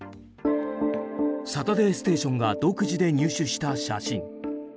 「サタデーステーション」が独自で入手した写真。